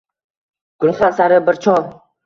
Gulxan sari bir chol